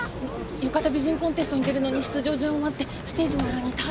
浴衣美人コンテストに出るのに出場順を待ってステージの裏にいたはずなんですけど。